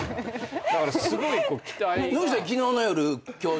だからすごい期待が。